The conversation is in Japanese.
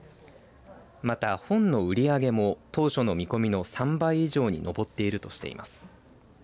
また、本の売り上げも当初の見込みの３倍以上に上っているとしています。